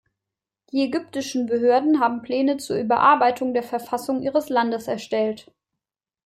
Die ägyptischen Behörden haben Pläne zur Überarbeitung der Verfassung ihres Landes erstellt.